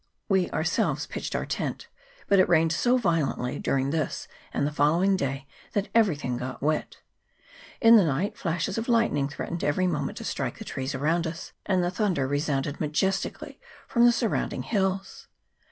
We ourselves pitched our tent, but it rained so violently during this and the following day, that everything got wet. In the night flashes of lightning threatened every moment to strike the trees around us, and the thunder re sounded majestically from the surrounding hills.